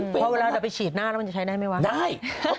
เพราะเวลาจะไปฉีดหน้าแล้วเครื่องแบบมันจะใช้ได้ไหมวะ